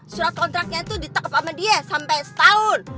surat kontraknya tuh ditekep sama dia sampai setahun